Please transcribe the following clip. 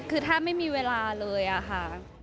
คือถ้าไม่มีเวลาเลยค่ะ